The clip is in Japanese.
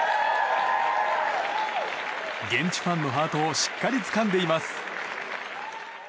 現地ファンのハートをしっかりつかんでいます。